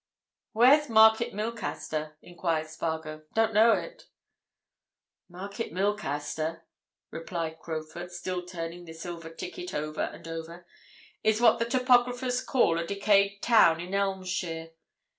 "Where's Market Milcaster?" enquired Spargo. "Don't know it." "Market Milcaster," replied Crowfoot, still turning the silver ticket over and over, "is what the topographers call a decayed town in Elmshire.